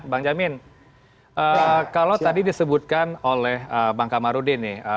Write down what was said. bang jamin kalau tadi disebutkan oleh bang kamarudin nih